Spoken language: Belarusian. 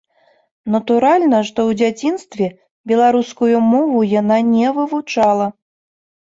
Натуральна, што ў дзяцінстве беларускую мову яна не вывучала.